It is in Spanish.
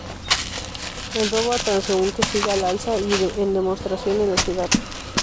El robo a transeúnte sigue al alza y en demostración en la ciudad.